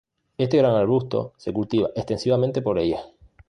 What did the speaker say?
Este gran arbusto se cultiva extensivamente por ellas.